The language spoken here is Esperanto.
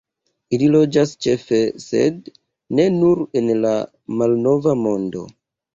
Ili loĝas ĉefe, sed ne nur en la Malnova Mondo.